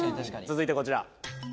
続いてこちら。